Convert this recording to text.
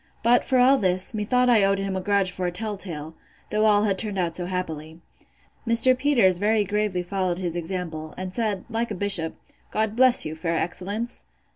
But, for all this, methought I owed him a grudge for a tell tale, though all had turned out so happily. Mr. Peters very gravely followed his example, and said, like a bishop, God bless you, fair excellence!